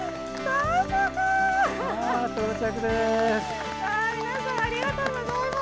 わ皆さんありがとうございます。